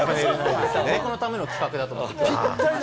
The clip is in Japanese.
僕のための企画だと思います。